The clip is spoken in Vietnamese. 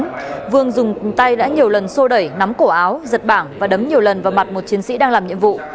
trần minh vương dùng tay đã nhiều lần xô đẩy nắm cổ áo giật bảng và đấm nhiều lần vào mặt một chiến sĩ đang làm nhiệm vụ